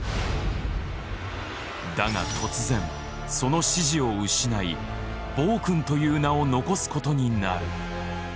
だが突然その支持を失い「暴君」という名を残す事になる。